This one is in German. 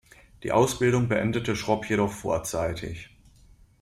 Die Ausbildung beendete Schropp jedoch vorzeitig.